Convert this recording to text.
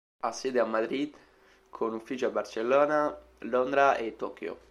Ha sede a Madrid con uffici a Barcellona, Londra e Tokyo.